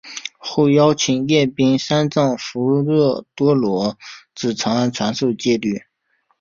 后邀请罽宾三藏弗若多罗至长安传授戒律。